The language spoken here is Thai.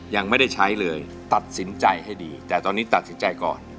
ยังไม่ได้ใช้เลยตัดสินใจให้ดีแต่ตอนนี้ตัดสินใจก่อน